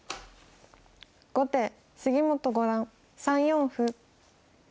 後手杉本五段３四歩。